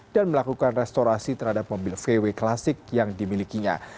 dan melakukan restorasi terhadap mobil vw klasik yang dimilikinya